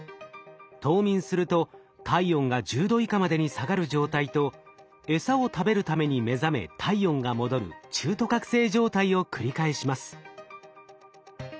冬眠すると体温が１０℃以下までに下がる状態とエサを食べるために目覚め体温が戻る中途覚醒状態を繰り返します。